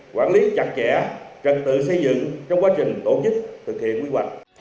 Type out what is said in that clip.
quản lý chặt chẽ trật tự xây dựng trong quá trình tổ chức thực hiện quy hoạch